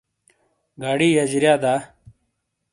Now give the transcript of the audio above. گاڑی یجاریا دا؟